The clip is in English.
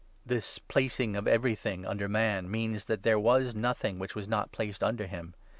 8 This 'placing of everything' under man means that there was nothing which was not placed under him.